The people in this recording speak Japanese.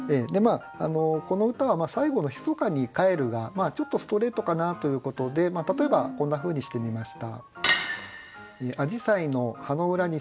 この歌は最後の「密かに帰る」がちょっとストレートかなということで例えばこんなふうにしてみました。